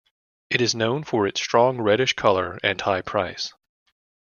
It is known for its strong reddish color and high price.